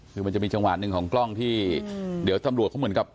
คือมันจะมีจังหวะหนึ่งของกล้องที่เดี๋ยวตำรวจเขาเหมือนกับ